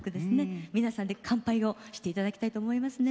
皆さんで乾杯をしていただきたいと思いますね。